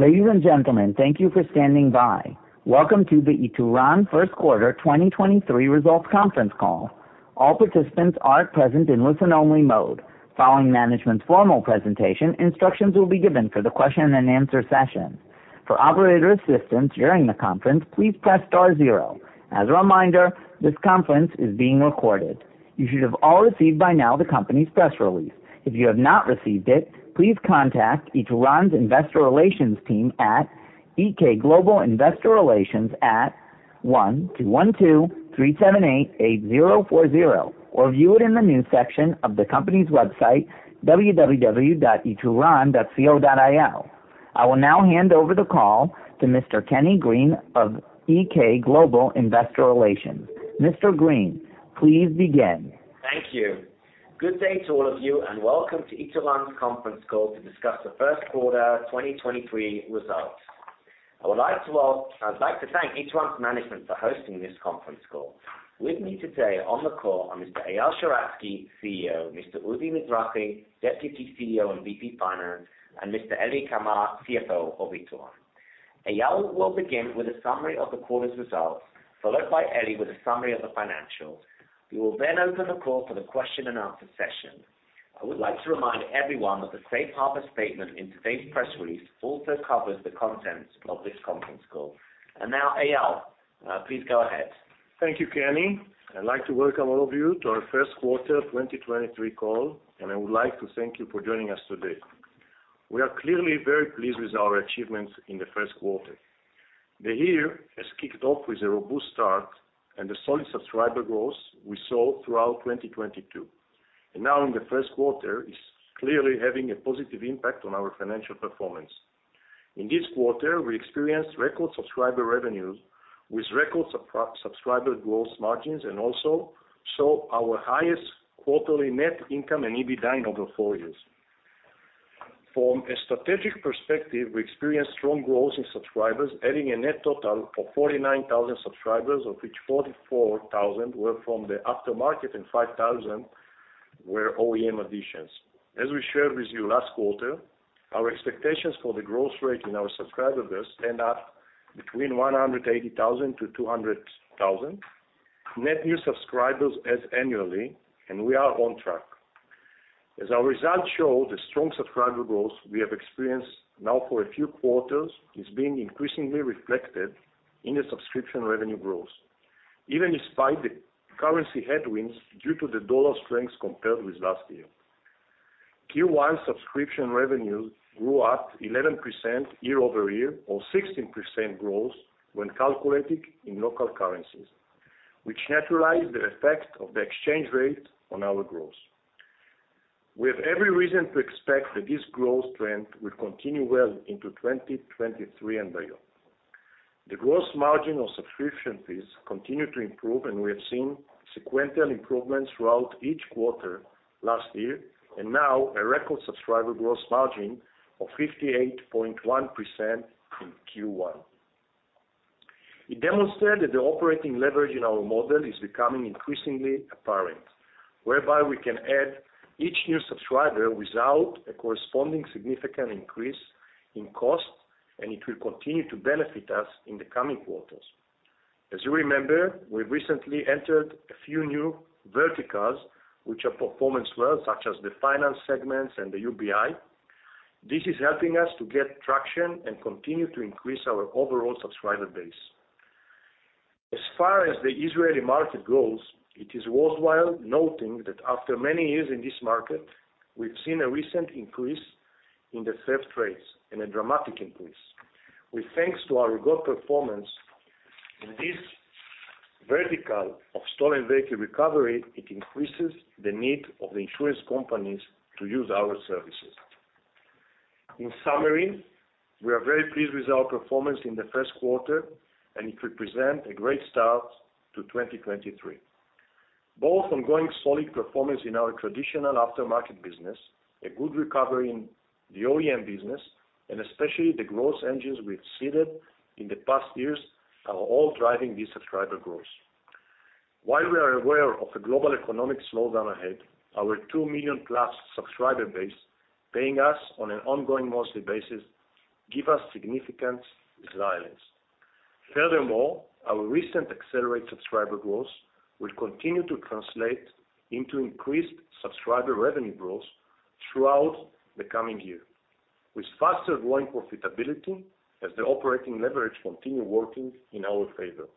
Ladies and gentlemen, thank you for standing by. Welcome to the Ituran Q1 2023 results conference call. All participants are at present in listen only mode. Following management's formal presentation, instructions will be given for the question and answer session. For operator assistance during the conference, please press star zero. As a reminder, this conference is being recorded. You should have all received by now the company's press release. If you have not received it, please contact Ituran's Investor Relations team at EK Global Investor Relations at 1 212 378 8040, or view it in the news section of the company's website, www.ituran.co.il. I will now hand over the call to Mr. Kenny Green of EK Global Investor Relations. Mr. Green, please begin. Thank you. Good day to all of you, and welcome to Ituran's conference call to discuss the Q1 2023 results. I'd like to thank Ituran's management for hosting this conference call. With me today on the call are Mr. Eyal Sheratzky, CEO, Mr. Udi Mizrahi, Deputy CEO and VP Finance, and Mr. Eli Kamer, CFO of Ituran. Eyal will begin with a summary of the quarter's results, followed by Eli with a summary of the financials. We will then open the call for the question and answer session. I would like to remind everyone that the safe harbor statement in today's press release also covers the contents of this conference call. Now, Eyal, please go ahead. Thank you, Kenny. I'd like to welcome all of you to our Q1 2023 call. I would like to thank you for joining us today. We are clearly very pleased with our achievements in the Q1. The year has kicked off with a robust start and a solid subscriber growth we saw throughout 2022. Now in the Q1 is clearly having a positive impact on our financial performance. In this quarter, we experienced record subscriber revenues with record subscriber growth margins, and also saw our highest quarterly net income and EBITDA in over four years. From a strategic perspective, we experienced strong growth in subscribers, adding a net total of 49,000 subscribers, of which 44,000 were from the aftermarket and 5,000 were OEM additions. As we shared with you last quarter, our expectations for the growth rate in our subscriber base stand at between 180,000 to 200,000 net new subscribers as annually. We are on track. As our results show, the strong subscriber growth we have experienced now for a few quarters is being increasingly reflected in the subscription revenue growth, even despite the currency headwinds due to the dollar strength compared with last year. Q1 subscription revenue grew at 11% year-over-year or 16% growth when calculated in local currencies, which neutralize the effect of the exchange rate on our growth. We have every reason to expect that this growth trend will continue well into 2023 and beyond. The growth margin on subscription fees continue to improve, and we have seen sequential improvements throughout each quarter last year, and now a record subscriber growth margin of 58.1% in Q1. It demonstrated the operating leverage in our model is becoming increasingly apparent, whereby we can add each new subscriber without a corresponding significant increase in cost, and it will continue to benefit us in the coming quarters. As you remember, we recently entered a few new verticals, which are performance well, such as the finance segments and the UBI. This is helping us to get traction and continue to increase our overall subscriber base. As far as the Israeli market goes, it is worthwhile noting that after many years in this market, we've seen a recent increase in the theft rates and a dramatic increase. With thanks to our good performance in this vertical of stolen vehicle recovery, it increases the need of the insurance companies to use our services. In summary, we are very pleased with our performance in the Q1, and it represent a great start to 2023. Both ongoing solid performance in our traditional aftermarket business, a good recovery in the OEM business, and especially the growth engines we've seeded in the past years are all driving the subscriber growth. While we are aware of the global economic slowdown ahead, our 2 million-plus subscriber base paying us on an ongoing monthly basis give us significant resilience. Furthermore, our recent accelerated subscriber growth will continue to translate into increased subscriber revenue growth throughout the coming year, with faster growing profitability as the operating leverage continue working in our favor.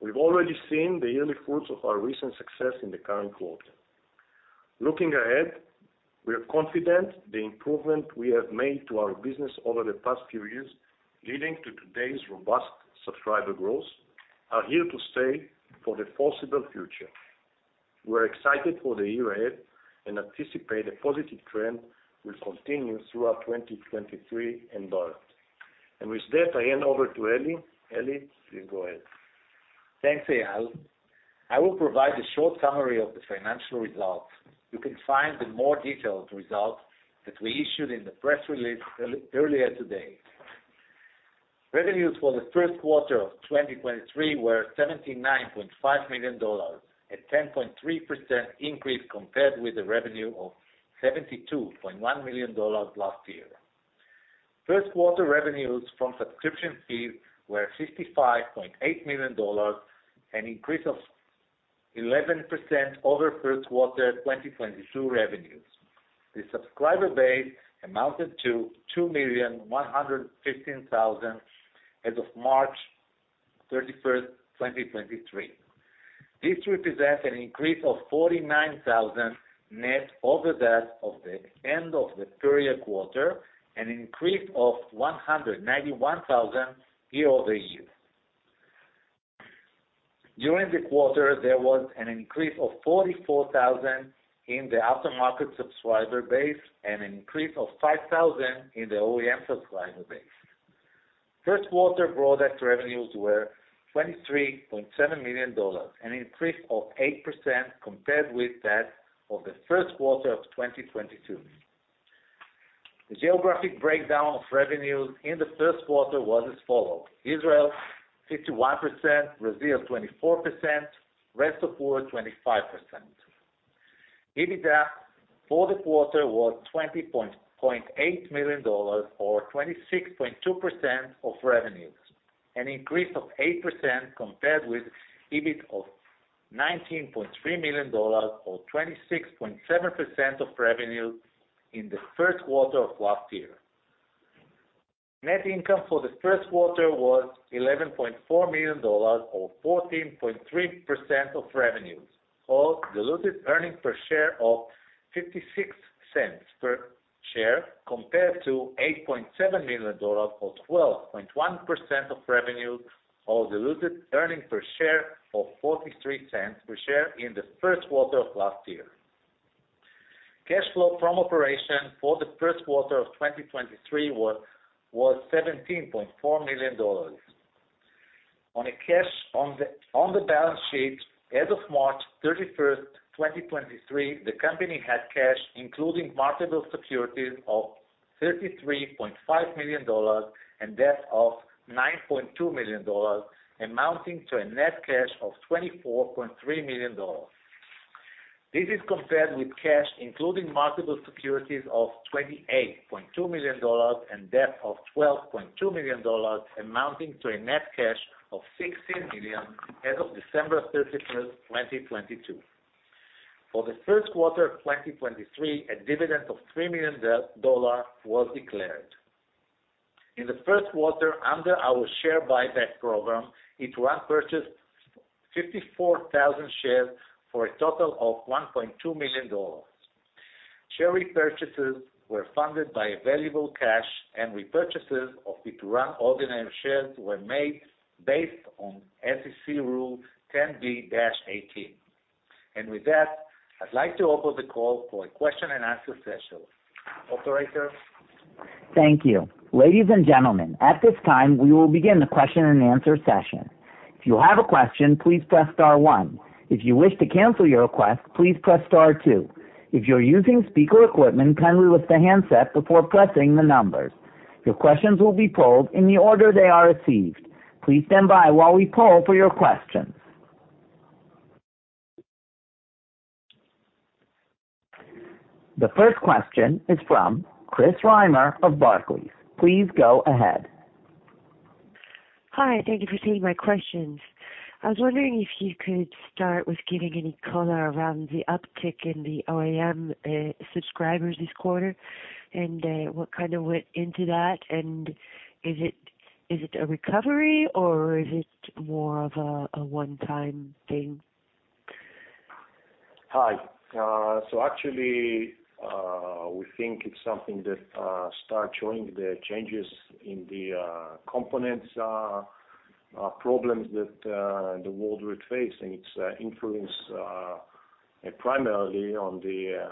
We've already seen the early fruits of our recent success in the current quarter. Looking ahead, we are confident the improvement we have made to our business over the past few years, leading to today's robust subscriber growth, are here to stay for the foreseeable future. We're excited for the year ahead and anticipate a positive trend will continue throughout 2023 and beyond. With that, I hand over to Eli. Eli, please go ahead. Thanks, Eyal. I will provide a short summary of the financial results. You can find the more detailed results that we issued in the press release earlier today. Revenues for the Q1 of 2023 were $79.5 million, a 10.3% increase compared with the revenue of $72.1 million last year. Q1 revenues from subscription fees were $55.8 million, an increase of 11% over Q1 2022 revenues. The subscriber base amounted to 2,115,000 as of March 31, 2023. This represents an increase of 49,000 net over that of the end of the period quarter, an increase of 191,000 year-over-year. During the quarter, there was an increase of 44,000 in the aftermarket subscriber base and an increase of 5,000 in the OEM subscriber base. Q1 product revenues were $23.7 million, an increase of 8% compared with that of the Q1 of 2022. The geographic breakdown of revenues in the Q1 was as follows: Israel 61%, Brazil 24%, rest of world 25%. EBITDA for the quarter was $20.8 million or 26.2% of revenues, an increase of 8% compared with EBITDA of $19.3 million or 26.7% of revenue in the Q1 of last year. Net income for the Q1 was $11.4 million or 14.3% of revenues, or diluted earnings per share of $0.56 per share, compared to $8.7 million or 12.1% of revenue, or diluted earnings per share of $0.43 per share in the Q1 of last year. Cash flow from operation for the Q1 of 2023 was $17.4 million. On a cash on the balance sheet as of March 31st, 2023, the company had cash, including marketable securities, of $33.5 million and debt of $9.2 million, amounting to a net cash of $24.3 million. This is compared with cash, including marketable securities, of $28.2 million and debt of $12.2 million, amounting to a net cash of $16 million as of December 31st, 2022. For the Q1 of 2023, a dividend of $3 million was declared. In the Q1 under our share buyback program, Ituran purchased 54,000 shares for a total of $1.2 million. Share repurchases were funded by available cash and repurchases of Ituran ordinary shares were made based on SEC Rule 10b-18. With that, I'd like to open the call for a question and answer session. Operator? Thank you. Ladies and gentlemen, at this time, we will begin the question and answer session. If you have a question, please press star one. If you wish to cancel your request, please press star two. If you're using speaker equipment, kindly lift the handset before pressing the numbers. Your questions will be pulled in the order they are received. Please stand by while we poll for your questions. The first question is from Chris Reimer of Barclays. Please go ahead. Hi, thank you for taking my questions. I was wondering if you could start with giving any color around the uptick in the OEM subscribers this quarter, and what kind of went into that, and is it a recovery or is it more of a one-time thing? Hi. Actually, we think it's something that start showing the changes in the components problems that the world were facing. It's influence primarily on the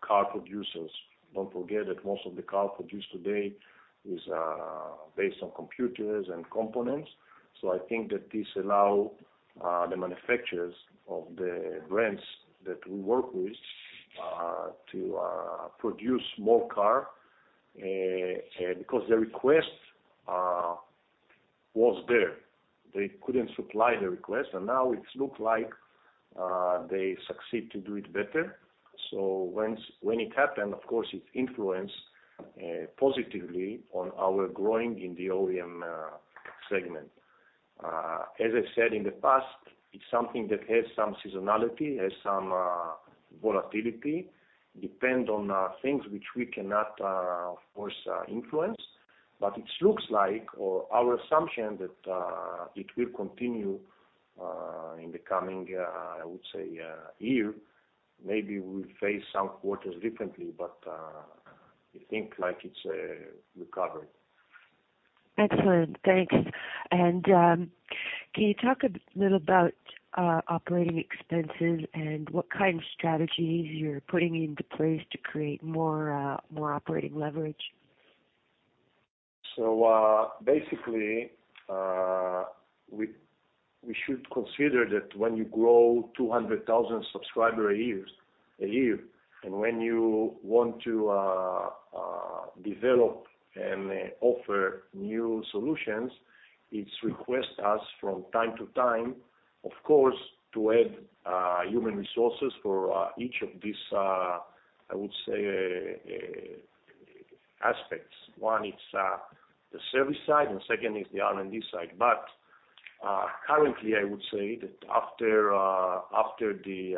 car producers. Don't forget that most of the cars produced today is based on computers and components, so I think that this allow the manufacturers of the brands that we work with to produce more car because the request was there. They couldn't supply the request, and now it's look like they succeed to do it better. When it happened, of course, it influenced positively on our growing in the OEM segment. As I said in the past, it's something that has some seasonality, has some volatility, depend on things which we cannot, of course, influence. It looks like or our assumption that it will continue in the coming I would say year. Maybe we'll face some quarters differently, but we think like it's a recovery. Excellent. Thanks. Can you talk a little about operating expenses and what kind of strategies you're putting into place to create more operating leverage? basically. We should consider that when you grow 200,000 subscriber a years, a year, and when you want to develop and offer new solutions, it's request us from time to time, of course, to add human resources for each of these, I would say, aspects. One is the service side, and second is the R&D side. Currently, I would say that after the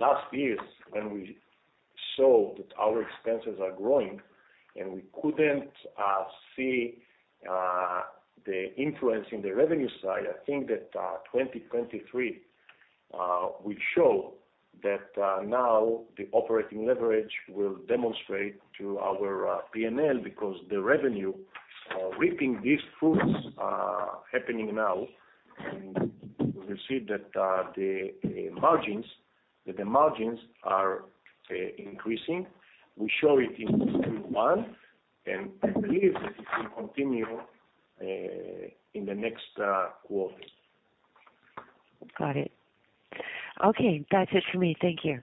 last years, when we saw that our expenses are growing and we couldn't see the influence in the revenue side, I think that 2023 will show that now the operating leverage will demonstrate to our P&L because the revenue reaping these fruits happening now, and we see that the margins, that the margins are increasing. We show it in 2021. I believe that it will continue in the next quarter. Got it. Okay. That's it for me. Thank you.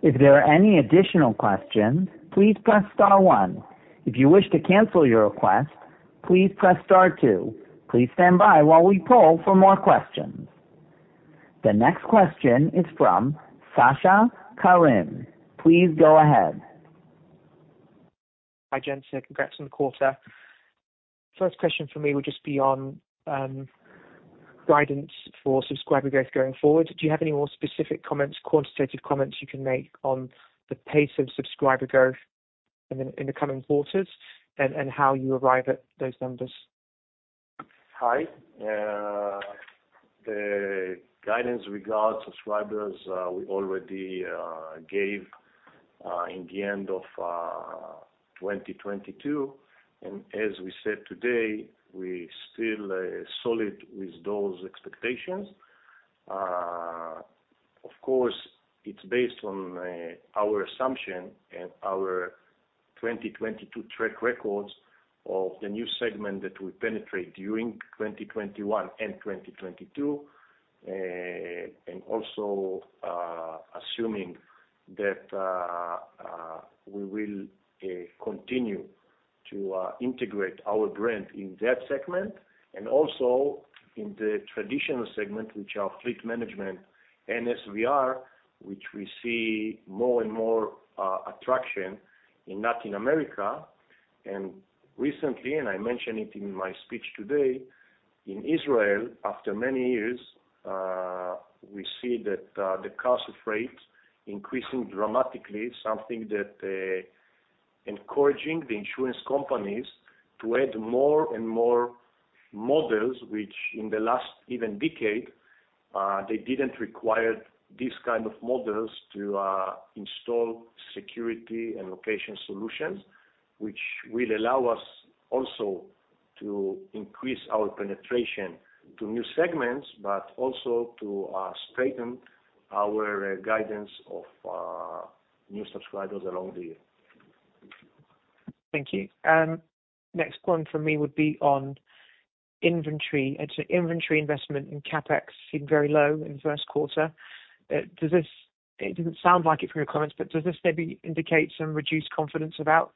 If there are any additional questions, please press star one. If you wish to cancel your request, please press star two. Please stand by while we poll for more questions. The next question is from Sasha Karim. Please go ahead. Hi, gents. Congrats on the quarter. First question for me would just be on guidance for subscriber growth going forward. Do you have any more specific comments, quantitative comments you can make on the pace of subscriber growth in the coming quarters and how you arrive at those numbers? Regards subscribers, we already gave at the end of 2022, and as we said today, we are still solid with those expectations. Of course, it's based on our assumption and our 2022 track records of the new segment that we penetrated during 2021 and 2022, and also assuming that we will continue to integrate our brand in that segment and also in the traditional segment, which are fleet management and SVR, which we see more and more attraction in Latin America. Recently, and I mentioned it in my speech today, in Israel, after many years, we see that the cost of rates increasing dramatically, something that encouraging the insurance companies to add more and more models, which in the last even decade, they didn't require these kind of models to install security and location solutions, which will allow us also to increase our penetration to new segments, but also to strengthen our guidance of new subscribers along the year. Thank you. Next one for me would be on inventory. Inventory investment and CapEx seemed very low in the Q1. It didn't sound like it from your comments, but does this maybe indicate some reduced confidence about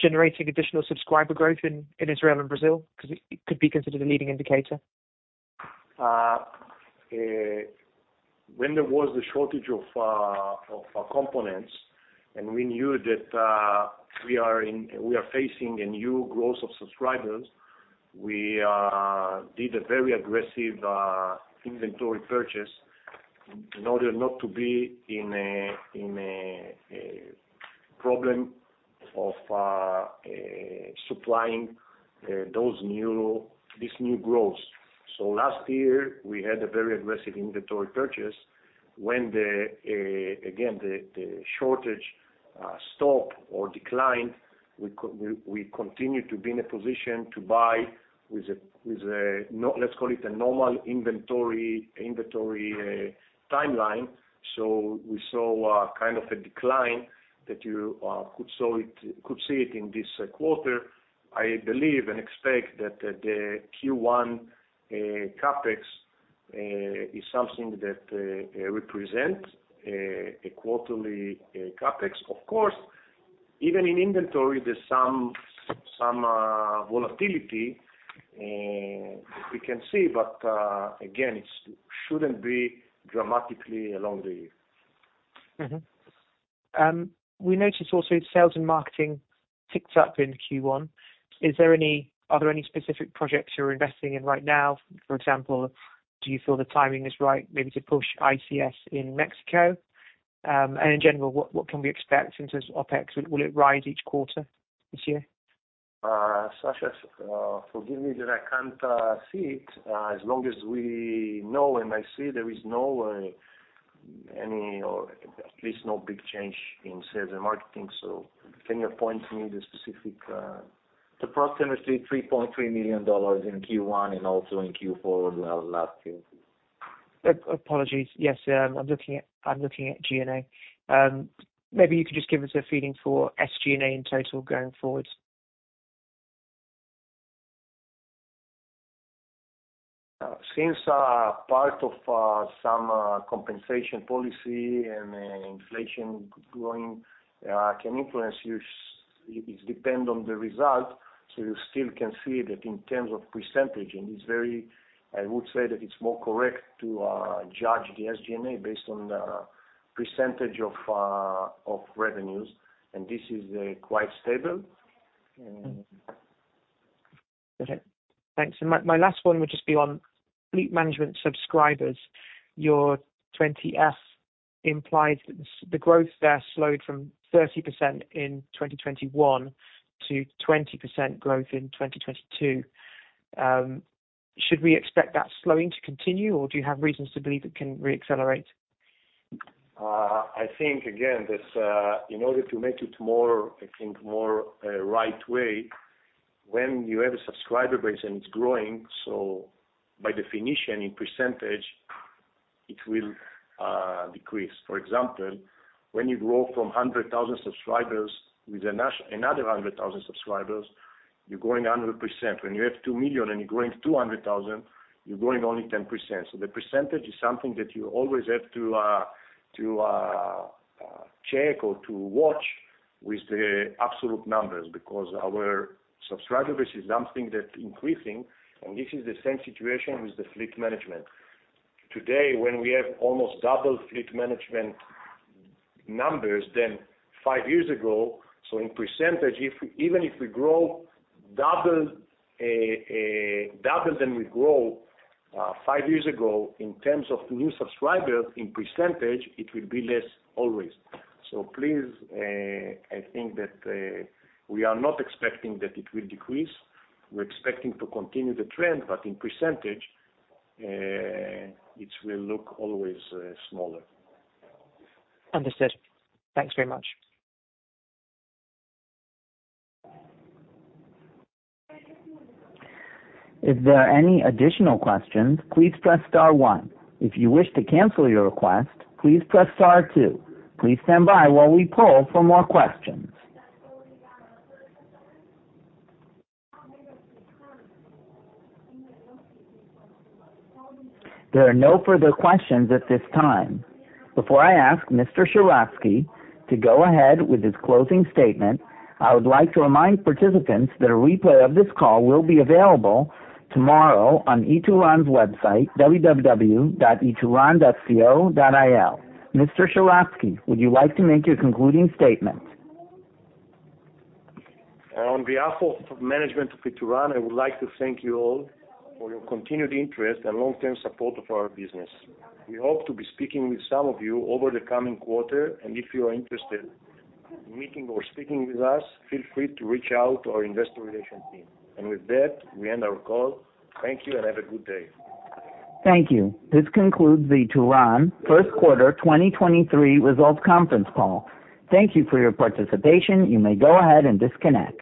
generating additional subscriber growth in Israel and Brazil? 'Cause it could be considered a leading indicator. When there was a shortage of components, and we knew that we are facing a new growth of subscribers, we did a very aggressive inventory purchase in order not to be in a problem of supplying this new growth. Last year, we had a very aggressive inventory purchase. When the again, the shortage stopped or declined, we continued to be in a position to buy with a let's call it a normal inventory timeline. We saw kind of a decline that you could see it in this quarter. I believe and expect that the Q1 CapEx is something that represent a quarterly CapEx. Of course, even in inventory, there's some volatility, we can see, but, again, shouldn't be dramatically along the year. Mm-hmm. We noticed also sales and marketing ticked up in Q1. Are there any specific projects you're investing in right now? For example, do you feel the timing is right maybe to push ICS in Mexico? In general, what can we expect in terms of OpEx? Will it rise each quarter this year? Sasha, forgive me that I can't see it. As long as we know and I see, there is no any or at least no big change in sales and marketing. Can you point me the specific... The cost is actually $3.3 million in Q1 and also in Q4 last year. Apologies. Yes, I'm looking at G&A. Maybe you could just give us a feeling for SG&A in total going forward. Since part of some compensation policy and inflation growing can influence you. It depend on the result, you still can see that in terms of %, and it's very, I would say that it's more correct to judge the SG&A based on the % of revenues, and this is quite stable. Okay. Thanks. My, my last one would just be on fleet management subscribers. Your Form 20-F implies that the growth there slowed from 30% in 2021 to 20% growth in 2022. Should we expect that slowing to continue, or do you have reasons to believe it can re-accelerate? I think again, that in order to make it more, I think more, right way, when you have a subscriber base and it's growing, by definition in percentage it will decrease. For example, when you grow from 100,000 subscribers with another 100,000 subscribers, you're growing 100%. When you have 2 million and you're growing 200,000, you're growing only 10%. The percentage is something that you always have to check or to watch with the absolute numbers because our subscriber base is something that's increasing, and this is the same situation with the fleet management. Today, when we have almost double fleet management numbers than five years ago, so in percentage if, even if we grow double than we grow, five years ago, in terms of new subscribers in percentage it will be less always. Please, I think that we are not expecting that it will decrease. We're expecting to continue the trend. In percentage, it will look always smaller. Understood. Thanks very much. If there are any additional questions, please press star one. If you wish to cancel your request, please press star two. Please stand by while we poll for more questions. There are no further questions at this time. Before I ask Mr. Sheratzky to go ahead with his closing statement, I would like to remind participants that a replay of this call will be available tomorrow on Ituran's website, www.ituran.co.il. Mr. Sheratzky, would you like to make your concluding statement? On behalf of management of Ituran, I would like to thank you all for your continued interest and long-term support of our business. We hope to be speaking with some of you over the coming quarter. If you are interested in meeting or speaking with us, feel free to reach out to our investor relation team. With that, we end our call. Thank you and have a good day. Thank you. This concludes the Ituran Q1 2023 results conference call. Thank you for your participation. You may go ahead and disconnect.